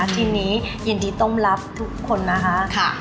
ทีนี้ยินดีต้อนรับทุกคนนะคะ